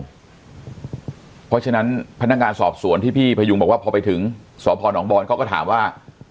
เพราะฉะนั้นพนักงานสอบสวนที่พี่พยุงบอกว่าพอไปถึงสพนบอลเขาก็ถามว่า